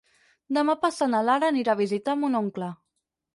Demà passat na Lara anirà a visitar mon oncle.